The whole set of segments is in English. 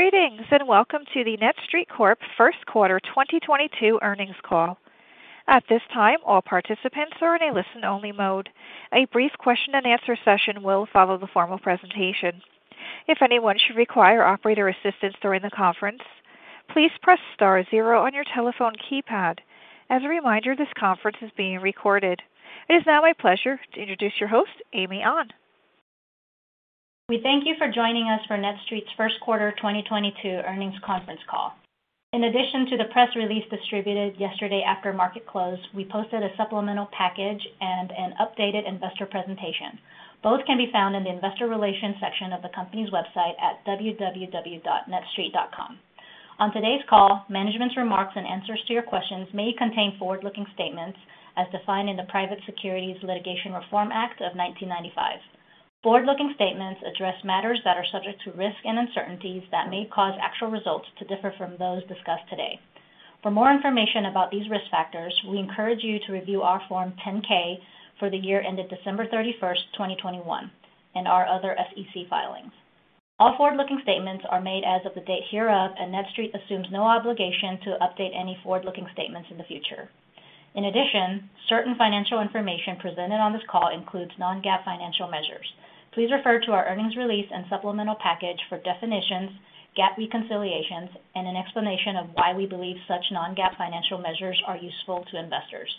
Greetings, and welcome to NETSTREIT's Corp. first quarter 2022 earnings call. At this time, all participants are in a listen-only mode. A brief question-and-answer session will follow the formal presentation. If anyone should require operator assistance during the conference, please press star zero on your telephone keypad. As a reminder, this conference is being recorded. It is now my pleasure to introduce your host, Amy An. We thank you for joining us for NETSTREIT's first quarter 2022 earnings conference call. In addition to the press release distributed yesterday after market close, we posted a supplemental package and an updated investor presentation. Both can be found in the investor relations section of the company's website at www.netstreit.com. On today's call, management's remarks and answers to your questions may contain forward-looking statements as defined in the Private Securities Litigation Reform Act of 1995. Forward-looking statements address matters that are subject to risks and uncertainties that may cause actual results to differ from those discussed today. For more information about these risk factors, we encourage you to review our Form 10-K for the year ended December 31st, 2021, and our other SEC filings. All forward-looking statements are made as of the date hereof, and NETSTREIT assumes no obligation to update any forward-looking statements in the future. In addition, certain financial information presented on this call includes non-GAAP financial measures. Please refer to our earnings release and supplemental package for definitions, GAAP reconciliations, and an explanation of why we believe such non-GAAP financial measures are useful to investors.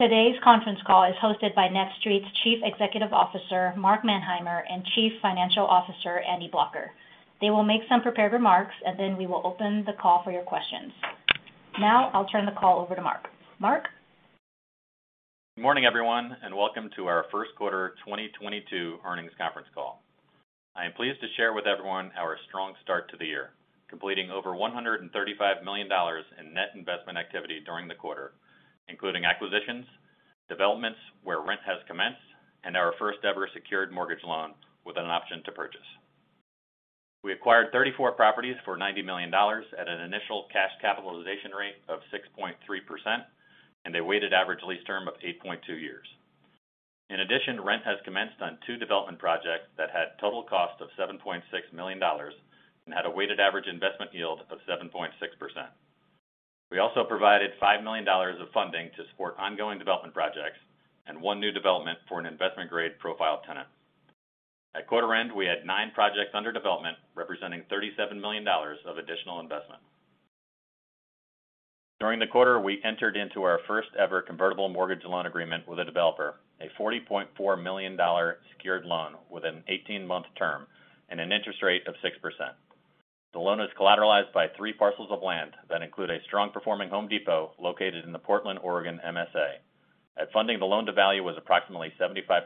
Today's conference call is hosted by NETSTREIT's Chief Executive Officer, Mark Manheimer, and Chief Financial Officer, Andy Blocher. They will make some prepared remarks, and then we will open the call for your questions. Now, I'll turn the call over to Mark. Mark? Good morning, everyone, and welcome to our first quarter 2022 earnings conference call. I am pleased to share with everyone our strong start to the year, completing over $135 million in net investment activity during the quarter, including acquisitions, developments where rent has commenced, and our first-ever secured mortgage loan with an option to purchase. We acquired 34 properties for $90 million at an initial cash capitalization rate of 6.3% and a weighted average lease term of eight point two years. In addition, rent has commenced on two development projects that had a total cost of $7.6 million and had a weighted average investment yield of 7.6%. We also provided $5 million of funding to support ongoing development projects and one new development for an investment-grade profile tenant. At quarter end, we had nine projects under development, representing $37 million of additional investment. During the quarter, we entered into our first-ever convertible mortgage loan agreement with a developer, a $40.4 million secured loan with an 18-month term and an interest rate of 6%. The loan is collateralized by three parcels of land that include a strong-performing Home Depot located in the Portland, Oregon MSA. At funding, the loan-to-value was approximately 75%.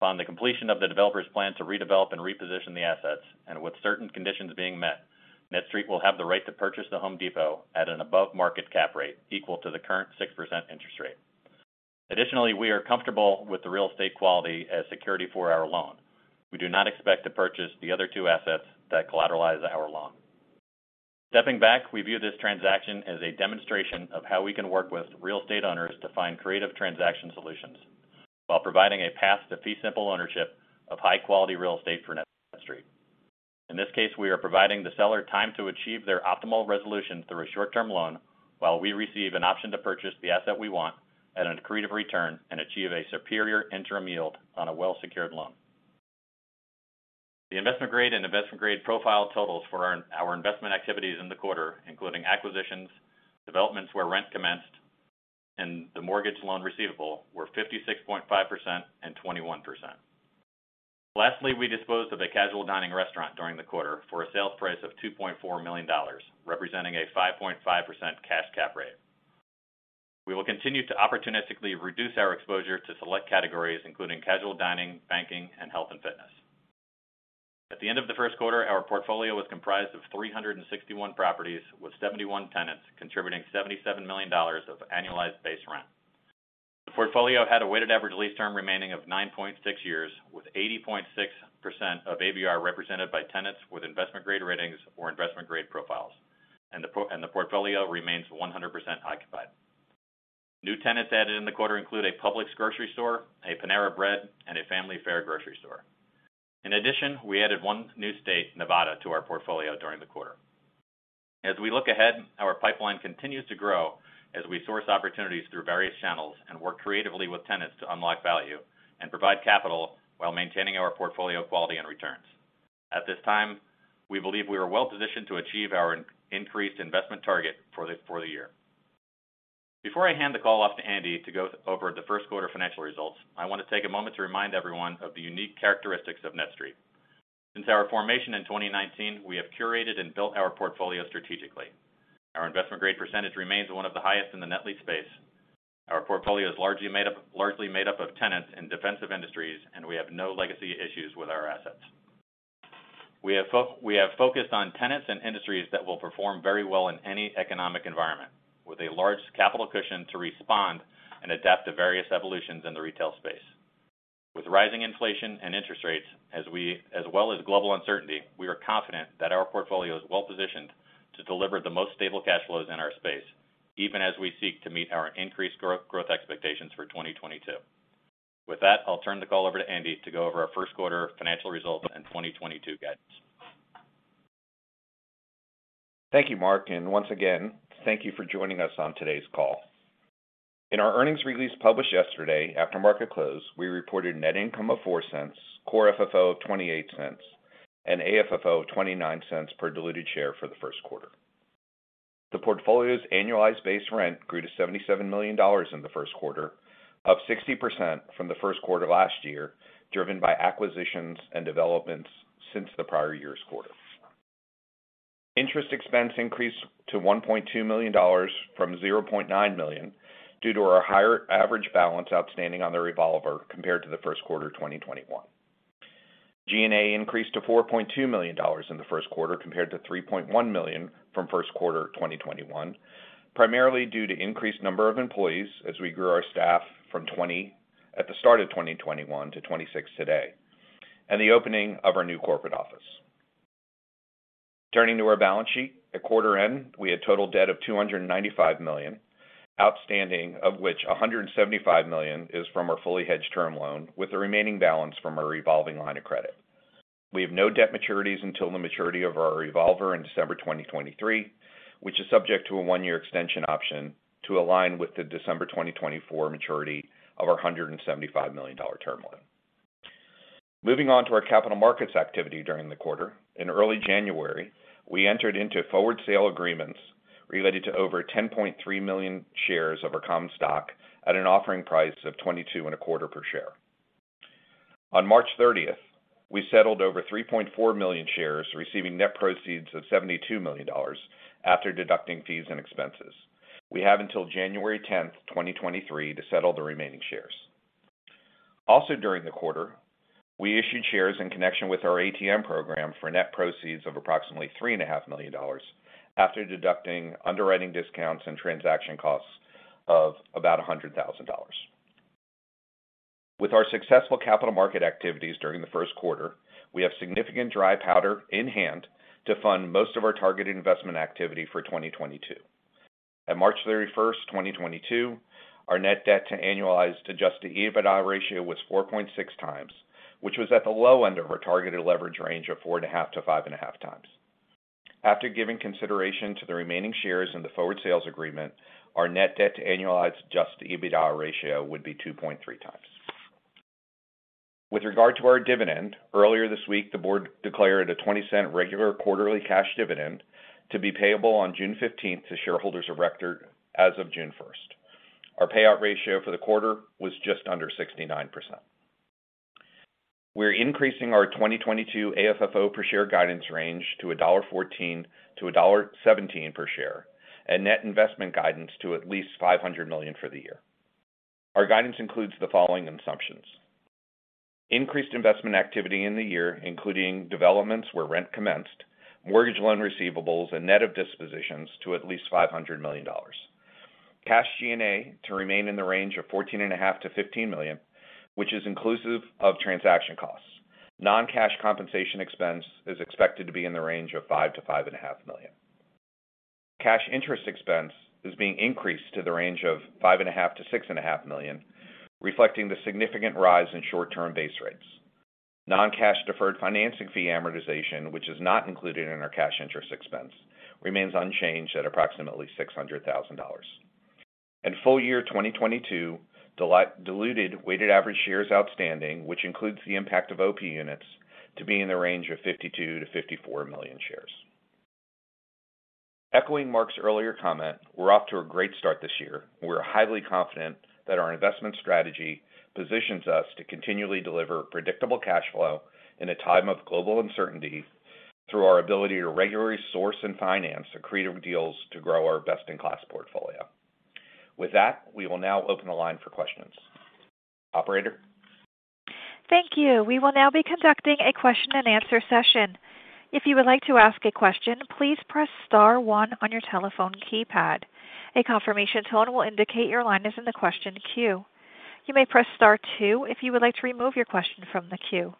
Upon the completion of the developer's plan to redevelop and reposition the assets, and with certain conditions being met, NETSTREIT will have the right to purchase the Home Depot at an above-market cap rate equal to the current 6% interest rate. Additionally, we are comfortable with the real estate quality as security for our loan. We do not expect to purchase the other two assets that collateralize our loan. Stepping back, we view this transaction as a demonstration of how we can work with real estate owners to find creative transaction solutions while providing a path to fee simple ownership of high-quality real estate for NETSTREIT. In this case, we are providing the seller time to achieve their optimal resolution through a short-term loan while we receive an option to purchase the asset we want at an accretive return and achieve a superior interim yield on a well-secured loan. The investment grade and investment grade profile totals for our investment activities in the quarter, including acquisitions, developments where rent commenced, and the mortgage loan receivable, were 56.5% and 21%. Lastly, we disposed of a casual dining restaurant during the quarter for a sales price of $2.4 million, representing a 5.5% cash cap rate. We will continue to opportunistically reduce our exposure to select categories, including casual dining, banking, and health and fitness. At the end of the first quarter, our portfolio was comprised of 361 properties with 71 tenants, contributing $77 million of annualized base rent. The portfolio had a weighted average lease term remaining of nine point six years, with 80.6% of ABR represented by tenants with investment-grade ratings or investment-grade profiles. The portfolio remains 100% occupied. New tenants added in the quarter include a Publix grocery store, a Panera Bread, and a Family Fare grocery store. In addition, we added one new state, Nevada, to our portfolio during the quarter. As we look ahead, our pipeline continues to grow as we source opportunities through various channels and work creatively with tenants to unlock value and provide capital while maintaining our portfolio quality and returns. At this time, we believe we are well-positioned to achieve our increased investment target for the year. Before I hand the call off to Andy to go over the first quarter financial results, I want to take a moment to remind everyone of the unique characteristics of NETSTREIT. Since our formation in 2019, we have curated and built our portfolio strategically. Our investment-grade percentage remains one of the highest in the net lease space. Our portfolio is largely made up of tenants in defensive industries, and we have no legacy issues with our assets. We have focused on tenants and industries that will perform very well in any economic environment, with a large capital cushion to respond and adapt to various evolutions in the retail space. With rising inflation and interest rates as well as global uncertainty, we are confident that our portfolio is well-positioned to deliver the most stable cash flows in our space, even as we seek to meet our increased growth expectations for 2022. With that, I'll turn the call over to Andy to go over our first quarter financial results and 2022 guidance. Thank you, Mark, and once again, thank you for joining us on today's call. In our earnings release published yesterday after market close, we reported net income of $0.04, core FFO of $0.28, and AFFO of $0.29 per diluted share for the first quarter. The portfolio's annualized base rent grew to $77 million in the first quarter, up 60% from the first quarter last year, driven by acquisitions and developments since the prior year's quarter. Interest expense increased to $1.2 million from $0.9 million due to our higher average balance outstanding on the revolver compared to the first quarter of 2021. G&A increased to $4.2 million in the first quarter compared to $3.1 million from first quarter of 2021, primarily due to increased number of employees as we grew our staff from 20 at the start of 2021 to 26 today, and the opening of our new corporate office. Turning to our balance sheet, at quarter end, we had total debt of $295 million outstanding, of which $175 million is from our fully hedged term loan, with the remaining balance from our revolving line of credit. We have no debt maturities until the maturity of our revolver in December 2023, which is subject to a one-year extension option to align with the December 2024 maturity of our $175 million term loan. Moving on to our capital markets activity during the quarter. In early January, we entered into forward sale agreements related to over 10.3 million shares of our common stock at an offering price of $22.25 per share. On March 30th, we settled over 3.4 million shares, receiving net proceeds of $72 million after deducting fees and expenses. We have until January 10, 2023, to settle the remaining shares. Also during the quarter, we issued shares in connection with our ATM program for net proceeds of approximately $3.5 million after deducting underwriting discounts and transaction costs of about $100,000. With our successful capital market activities during the first quarter, we have significant dry powder in hand to fund most of our targeted investment activity for 2022. At March 31st, 2022, our net debt to annualized adjusted EBITDA ratio was 4.6x, which was at the low end of our targeted leverage range of 4.5x-5.5x. After giving consideration to the remaining shares in the forward sales agreement, our net debt to annualized adjusted EBITDA ratio would be 2.3x. With regard to our dividend, earlier this week, the board declared a $0.20 regular quarterly cash dividend to be payable on June 15 to shareholders of record as of June 1st. Our payout ratio for the quarter was just under 69%. We're increasing our 2022 AFFO per share guidance range to $1.14-$1.17 per share, and net investment guidance to at least $500 million for the year. Our guidance includes the following assumptions. Increased investment activity in the year, including developments where rent commenced, mortgage loan receivables, and net of dispositions, to at least $500 million. Cash G&A to remain in the range of $14.5 million-$15 million, which is inclusive of transaction costs. Non-cash compensation expense is expected to be in the range of $5 million-$5.5 million. Cash interest expense is being increased to the range of $5.5 million-$6.5 million, reflecting the significant rise in short-term base rates. Non-cash deferred financing fee amortization, which is not included in our cash interest expense, remains unchanged at approximately $600,000. In full year 2022, diluted weighted average shares outstanding, which includes the impact of OP units, to be in the range of 52 million-54 million shares. Echoing Mark's earlier comment, we're off to a great start this year. We're highly confident that our investment strategy positions us to continually deliver predictable cash flow in a time of global uncertainty through our ability to regularly source and finance accretive deals to grow our best-in-class portfolio. With that, we will now open the line for questions. Operator? Thank you. We will now be conducting a question-and-answer session. If you would like to ask a question, please press star one on your telephone keypad. A confirmation tone will indicate your line is in the question queue. You may press star two if you would like to remove your question from the queue.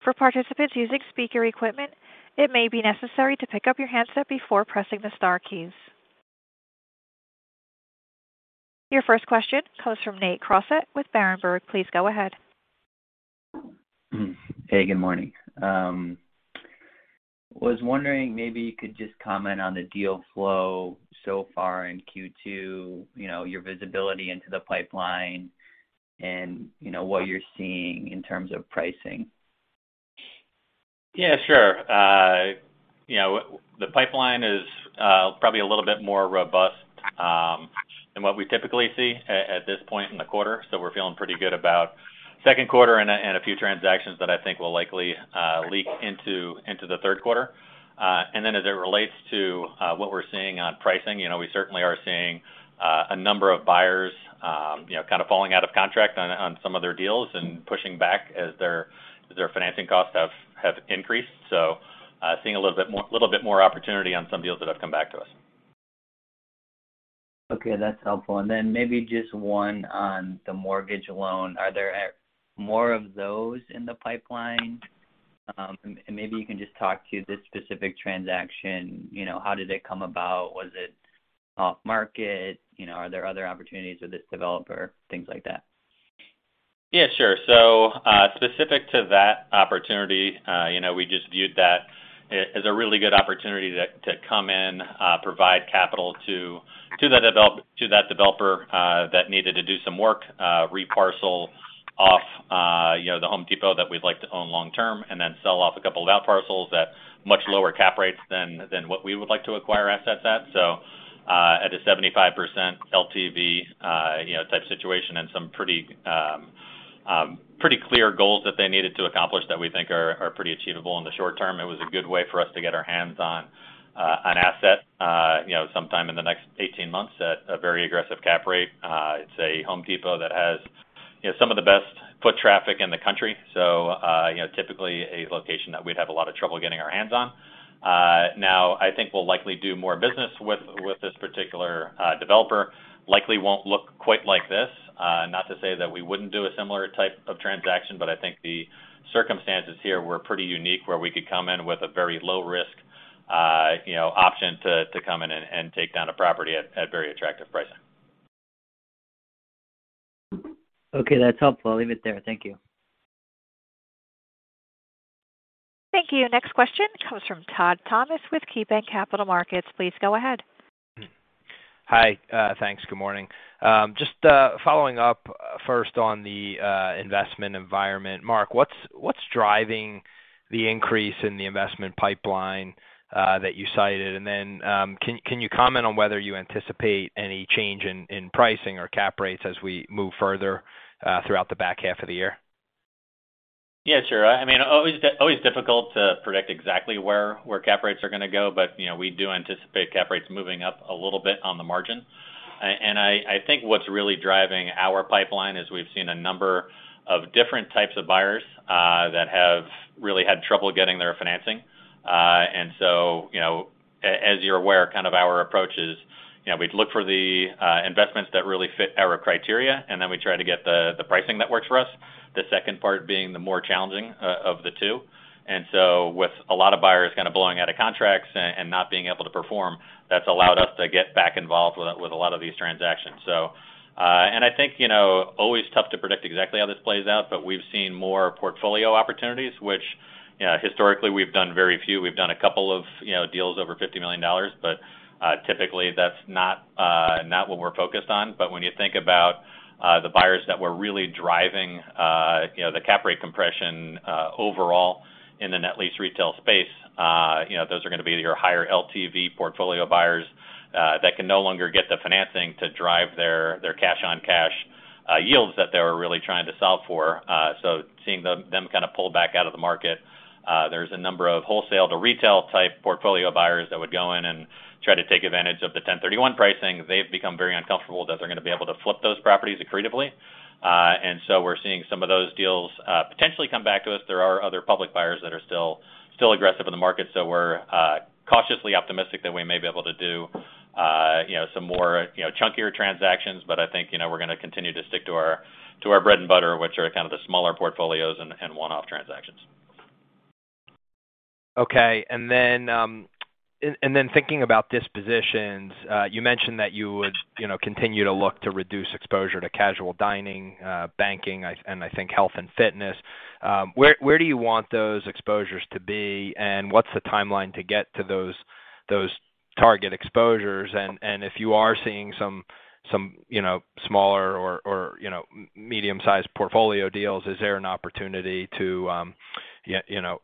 For participants using speaker equipment, it may be necessary to pick up your handset before pressing the star keys. Your first question comes from Nate Crossett with Berenberg. Please go ahead. Hey, good morning. Was wondering maybe you could just comment on the deal flow so far in Q2, you know, your visibility into the pipeline and, you know, what you're seeing in terms of pricing? Yeah, sure. You know, the pipeline is probably a little bit more robust than what we typically see at this point in the quarter. We're feeling pretty good about second quarter and a few transactions that I think will likely leak into the third quarter. As it relates to what we're seeing on pricing, you know, we certainly are seeing a number of buyers, you know, kind of falling out of contract on some of their deals and pushing back as their financing costs have increased. Seeing a little bit more opportunity on some deals that have come back to us. Okay, that's helpful. Maybe just one on the mortgage loan. Are there more of those in the pipeline? Maybe you can just talk to this specific transaction, you know, how did it come about? Was it off-market? You know, are there other opportunities with this developer, things like that? Yeah, sure. Specific to that opportunity, you know, we just viewed that as a really good opportunity to come in, provide capital to the developer that needed to do some work, reparcel off, you know, the Home Depot that we'd like to own long term and then sell off a couple of outparcels at much lower cap rates than what we would like to acquire assets at. At a 75% LTV, you know, type situation, and some pretty clear goals that they needed to accomplish that we think are pretty achievable in the short term. It was a good way for us to get our hands on an asset, you know, sometime in the next 18 months at a very aggressive cap rate. It's a Home Depot that has, you know, some of the best foot traffic in the country, so, you know, typically a location that we'd have a lot of trouble getting our hands on. Now, I think we'll likely do more business with this particular developer. Likely won't look quite like this. Not to say that we wouldn't do a similar type of transaction, but I think the circumstances here were pretty unique, where we could come in with a very low risk, you know, option to come in and take down a property at very attractive pricing. Okay, that's helpful. I'll leave it there. Thank you. Thank you. Next question comes from Todd Thomas with KeyBanc Capital Markets. Please go ahead. Hi. Thanks. Good morning. Just following up first on the investment environment. Mark, what's driving the increase in the investment pipeline that you cited? Can you comment on whether you anticipate any change in pricing or cap rates as we move further throughout the back half of the year? Yeah, sure. I mean, always difficult to predict exactly where cap rates are gonna go, but, you know, we do anticipate cap rates moving up a little bit on the margin. I think what's really driving our pipeline is we've seen a number of different types of buyers that have really had trouble getting their financing. You know, as you're aware, kind of our approach is, you know, we'd look for the investments that really fit our criteria, and then we try to get the pricing that works for us, the second part being the more challenging of the two. With a lot of buyers kind of blowing out of contracts and not being able to perform, that's allowed us to get back involved with a lot of these transactions. I think, you know, always tough to predict exactly how this plays out, but we've seen more portfolio opportunities, which, you know, historically we've done very few. We've done a couple of, you know, deals over $50 million, but typically that's not what we're focused on. When you think about the buyers that were really driving, you know, the cap rate compression overall in the net lease retail space, you know, those are gonna be your higher LTV portfolio buyers that can no longer get the financing to drive their cash on cash yields that they were really trying to solve for. Seeing them kind of pull back out of the market, there's a number of wholesale to retail type portfolio buyers that would go in and try to take advantage of the 1031 pricing. They've become very uncomfortable that they're gonna be able to flip those properties accretively. We're seeing some of those deals potentially come back to us. There are other public buyers that are still aggressive in the market, so we're cautiously optimistic that we may be able to do, you know, some more, you know, chunkier transactions. I think, you know, we're gonna continue to stick to our bread and butter, which are kind of the smaller portfolios and one-off transactions. Okay. Thinking about dispositions, you mentioned that you would, you know, continue to look to reduce exposure to casual dining, banking, and I think health and fitness. Where do you want those exposures to be, and what's the timeline to get to those target exposures? If you are seeing some, you know, smaller or, you know, medium-sized portfolio deals, is there an opportunity to, you know,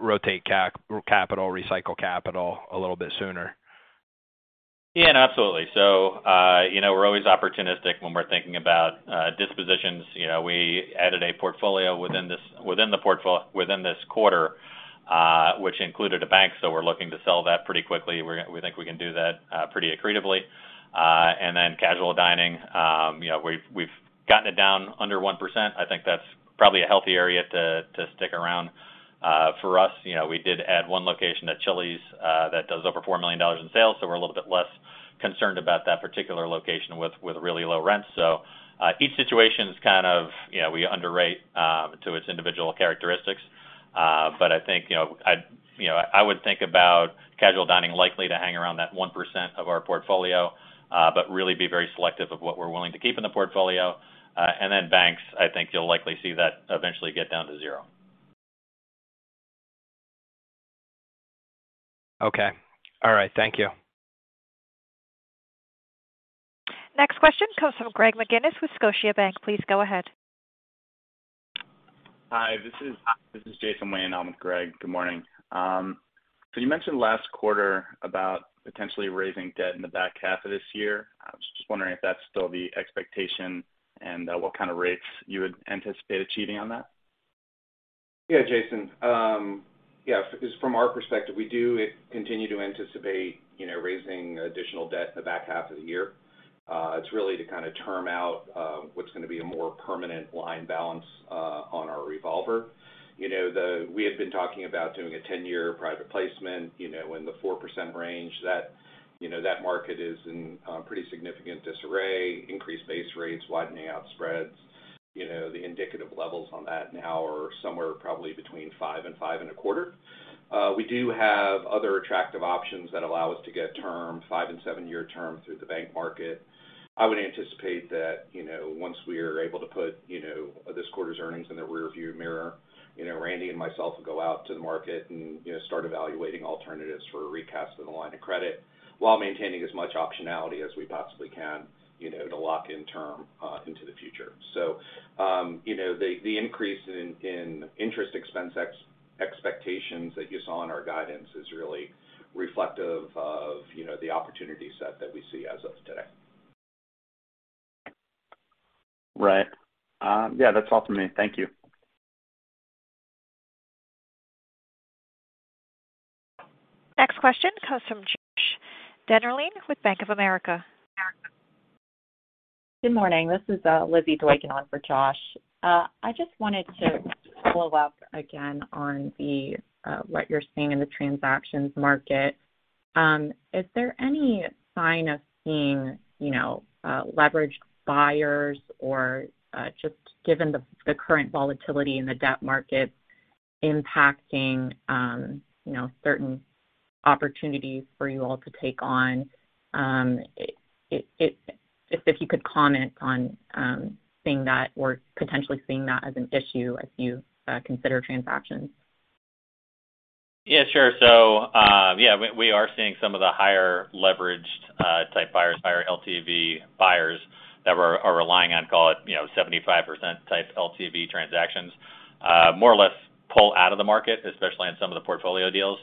rotate capital, recycle capital a little bit sooner? Yeah, absolutely. You know, we're always opportunistic when we're thinking about dispositions. You know, we added a portfolio within this quarter, which included a bank, so we're looking to sell that pretty quickly. We think we can do that pretty accretively. Then, casual dining, you know, we've gotten it down under 1%. I think that's probably a healthy area to stick around for us. You know, we did add one location at Chili's that does over $4 million in sales, so we're a little bit less concerned about that particular location with really low rents. Each situation is kind of, you know, we underwrite to its individual characteristics. I think, you know, I would think about casual dining likely to hang around that 1% of our portfolio, but really be very selective of what we're willing to keep in the portfolio. Banks, I think you'll likely see that eventually get down to zero. Okay. All right. Thank you. Next question comes from Greg McGinniss with Scotiabank. Please go ahead. Hi, this is Jason Wayne. I'm with Greg. Good morning. You mentioned last quarter about potentially raising debt in the back half of this year. I was just wondering if that's still the expectation and what kind of rates you would anticipate achieving on that. Yeah, Jason. Yeah, so from our perspective, we do continue to anticipate, you know, raising additional debt in the back half of the year. It's really to kind of term out what's gonna be a more permanent line balance on our revolver. You know, we had been talking about doing a 10-year private placement, you know, in the 4% range, that, you know, that market is in pretty significant disarray, increased base rates, widening out spreads. You know, the indicative levels on that now are somewhere probably between 5% and 5.25%. We do have other attractive options that allow us to get term, five and seven-year term through the bank market. I would anticipate that, you know, once we are able to put, you know, this quarter's earnings in the rearview mirror, you know, Randy and myself will go out to the market and, you know, start evaluating alternatives for a recast of the line of credit while maintaining as much optionality as we possibly can, you know, to lock in term into the future. You know, the increase in interest expense expectations that you saw in our guidance is really reflective of, you know, the opportunity set that we see as of today. Right. Yeah, that's all for me. Thank you. Next question comes from Josh Dennerlein with Bank of America. Good morning. This is Lizzy Doykan on for Josh. I just wanted to follow up again on what you're seeing in the transactions market. Is there any sign of seeing, you know, leveraged buyers or just given the current volatility in the debt market, impacting, you know, certain opportunities for you all to take on? If you could comment on seeing that or potentially seeing that as an issue as you consider transactions. Sure. We are seeing some of the higher leveraged type buyers, higher LTV buyers that we are relying on, call it, you know, 75% type LTV transactions, more or less pull out of the market, especially on some of the portfolio deals.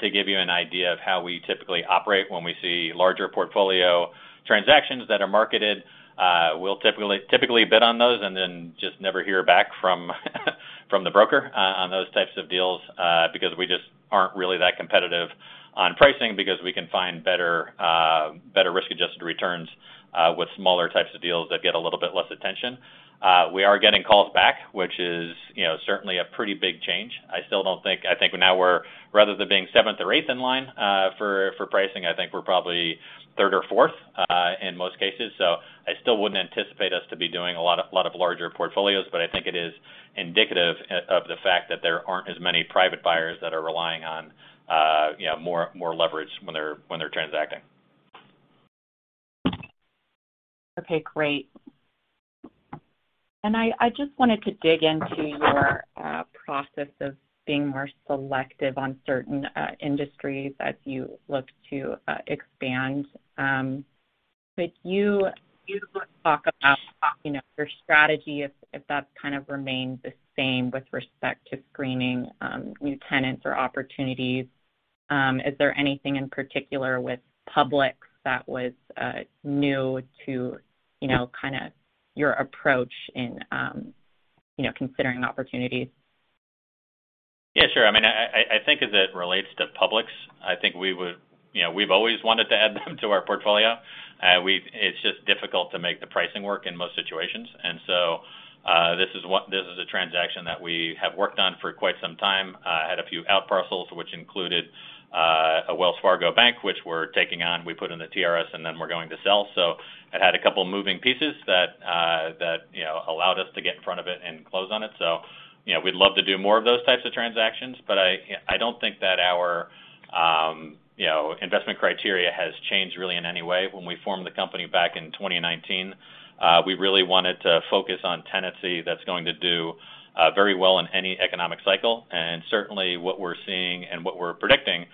To give you an idea of how we typically operate when we see larger portfolio transactions that are marketed, we'll typically bid on those and then just never hear back from the broker on those types of deals, because we just aren't really that competitive on pricing because we can find better risk-adjusted returns with smaller types of deals that get a little bit less attention. We are getting calls back, which is, you know, certainly a pretty big change. I still don't think. I think now we're rather than being seventh or eighth in line for pricing, I think we're probably third or fourth in most cases. So I still wouldn't anticipate us to be doing a lot of larger portfolios, but I think it is indicative of the fact that there aren't as many private buyers that are relying on you know, more leverage when they're transacting. Okay, great. I just wanted to dig into your process of being more selective on certain industries as you look to expand. Could you talk about, you know, your strategy if that's kind of remained the same with respect to screening new tenants or opportunities? Is there anything in particular with Publix that was new to, you know, kinda your approach in, you know, considering opportunities? Yeah, sure. I mean, I think as it relates to Publix, I think we would. You know, we've always wanted to add them to our portfolio. It's just difficult to make the pricing work in most situations. This is a transaction that we have worked on for quite some time, had a few outparcels, which included a Wells Fargo Bank, which we're taking on. We put in the TRS, and then we're going to sell. It had a couple of moving pieces that you know, allowed us to get in front of it and close on it. You know, we'd love to do more of those types of transactions, but I don't think that our investment criteria has changed really in any way. When we formed the company back in 2019, we really wanted to focus on tenancy that's going to do very well in any economic cycle. Certainly, what we're seeing and what we're predicting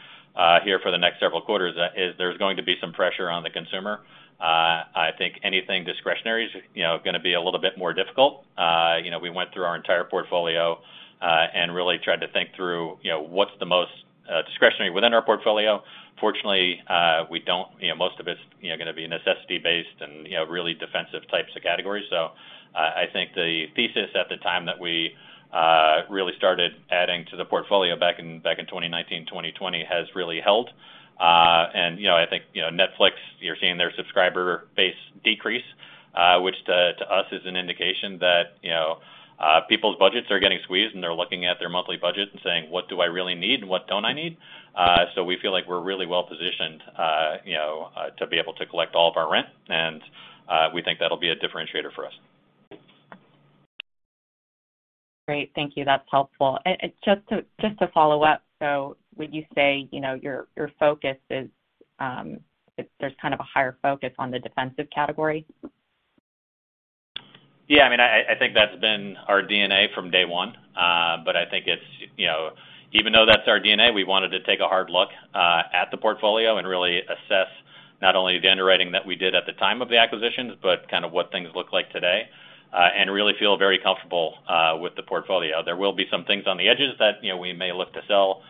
here for the next several quarters is there's going to be some pressure on the consumer. I think anything discretionary is, you know, gonna be a little bit more difficult. You know, we went through our entire portfolio and really tried to think through, you know, what's the most discretionary within our portfolio. Fortunately, we don't. You know, most of it's, you know, gonna be necessity-based and, you know, really defensive types of categories. I think the thesis at the time that we really started adding to the portfolio back in 2019, 2020, has really held. You know, I think, you know, Netflix, you're seeing their subscriber base decrease, which to us is an indication that, you know, people's budgets are getting squeezed, and they're looking at their monthly budget and saying, "What do I really need? What don't I need?" We feel like we're really well-positioned, you know, to be able to collect all of our rent, and we think that'll be a differentiator for us. Great. Thank you. That's helpful. Just to follow up, so would you say, you know, your focus is, there's kind of a higher focus on the defensive category? Yeah. I mean, I think that's been our DNA from day one. But I think it's, you know, even though that's our DNA, we wanted to take a hard look at the portfolio and really assess not only the underwriting that we did at the time of the acquisitions, but kind of what things look like today and really feel very comfortable with the portfolio. There will be some things on the edges that, you know, we may look to sell.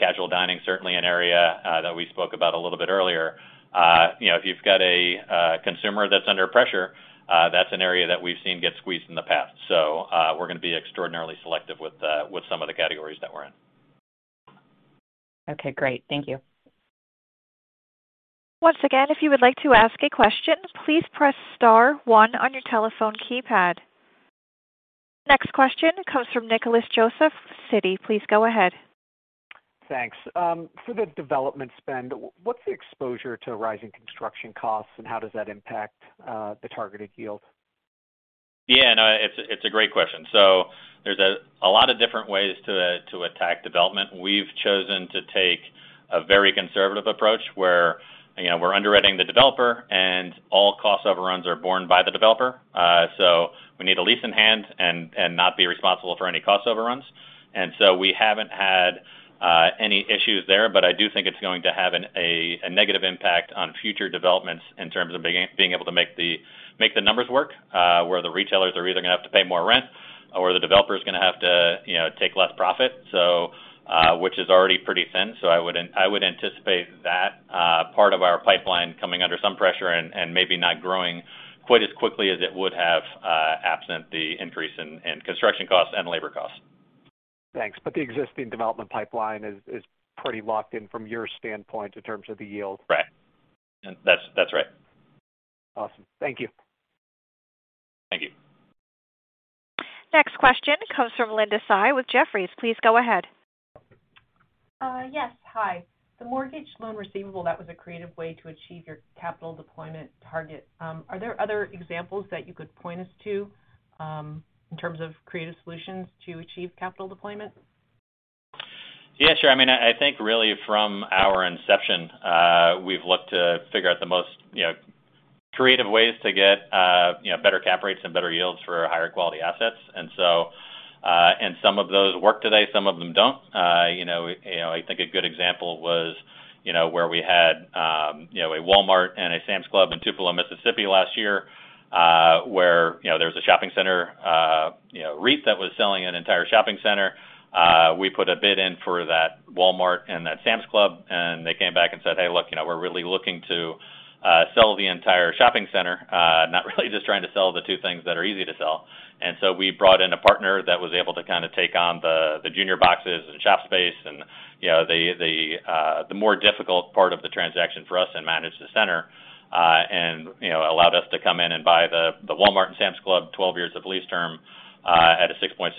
Casual dining, certainly an area that we spoke about a little bit earlier. You know, if you've got a consumer that's under pressure, that's an area that we've seen get squeezed in the past. We're gonna be extraordinarily selective with some of the categories that we're in. Okay, great. Thank you. Once again, if you would like to ask a question, please press star one on your telephone keypad. Next question comes from Nicholas Joseph, Citi. Please go ahead. Thanks. For the development spend, what's the exposure to rising construction costs, and how does that impact the targeted yield? Yeah, no, it's a great question. There's a lot of different ways to attack development. We've chosen to take a very conservative approach, where you know, we're underwriting the developer, and all cost overruns are borne by the developer. We need a lease in hand and not be responsible for any cost overruns. We haven't had any issues there. I do think it's going to have a negative impact on future developments in terms of being able to make the numbers work, where the retailers are either gonna have to pay more rent or the developer's gonna have to you know, take less profit, which is already pretty thin. I would anticipate that part of our pipeline coming under some pressure and maybe not growing quite as quickly as it would have absent the increase in construction costs and labor costs. Thanks. The existing development pipeline is pretty locked in from your standpoint in terms of the yield. Right. That's right. Awesome. Thank you. Thank you. Next question comes from Linda Tsai with Jefferies. Please go ahead. Yes. Hi. The mortgage loan receivable, that was a creative way to achieve your capital deployment target. Are there other examples that you could point us to, in terms of creative solutions to achieve capital deployment? Yeah, sure. I mean, I think really from our inception, we've looked to figure out the most, you know, creative ways to get, you know, better cap rates and better yields for higher quality assets. Some of those work today, some of them don't. I think a good example was, you know, where we had, you know, a Walmart and a Sam's Club in Tupelo, Mississippi last year, where, you know, there's a shopping center REIT that was selling an entire shopping center. We put a bid in for that Walmart and that Sam's Club, and they came back and said, "Hey, look, you know, we're really looking to sell the entire shopping center, not really just trying to sell the two things that are easy to sell." We brought in a partner that was able to kind of take on the junior boxes and shop space and, you know, the more difficult part of the transaction for us and manage the center, and allowed us to come in and buy the Walmart and Sam's Club 12 years of lease term, at a 6.6%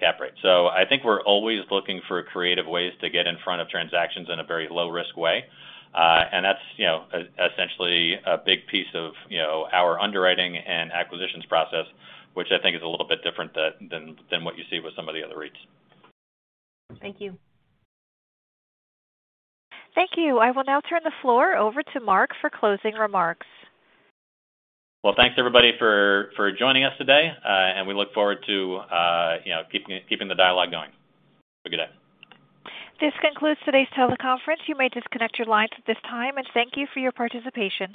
cap rate. I think we're always looking for creative ways to get in front of transactions in a very low-risk way. That's, you know, essentially a big piece of, you know, our underwriting and acquisitions process, which I think is a little bit different than what you see with some of the other REITs. Thank you. Thank you. I will now turn the floor over to Mark for closing remarks. Well, thanks everybody for joining us today, and we look forward to, you know, keeping the dialogue going. Have a good day. This concludes today's teleconference. You may disconnect your lines at this time, and thank you for your participation.